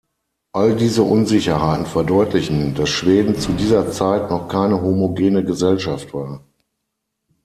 All diese Unsicherheiten verdeutlichen, dass Schweden zu dieser Zeit noch keine homogene Gesellschaft war.